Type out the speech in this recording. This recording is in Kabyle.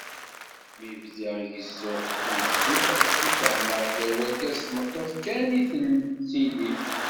Mi bdiɣ gezzuɣ tuzzuft i fehmeɣ gar urgaz d tmeṭṭut kan i tettili.